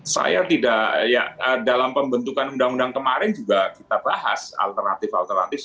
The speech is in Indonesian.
saya tidak ya dalam pembentukan undang undang kemarin juga kita bahas alternatif alternatif